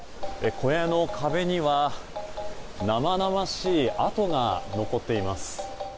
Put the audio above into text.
小屋の壁には生々しい跡が残っています。